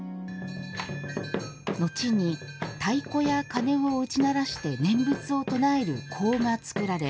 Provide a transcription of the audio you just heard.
のちに太鼓や鉦を打ち鳴らして念仏を唱える講が作られ